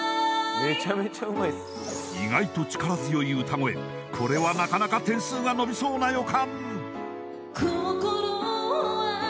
めちゃめちゃうまいっすね意外と力強い歌声、これはなかなか点数が伸びそうな予感。